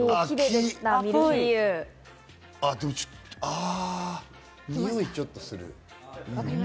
においがちょっとする。